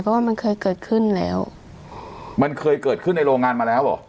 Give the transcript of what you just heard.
เพราะว่ามันเคยเกิดขึ้นแล้วมันเคยเกิดขึ้นในโรงงานมาแล้วเหรอ